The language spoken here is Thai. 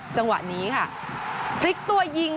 จังหวะนี้ค่ะพลิกตัวยิง